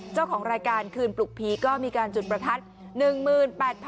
เจ้าของรายการคืนปลุกผีก็มีการจุดประทัด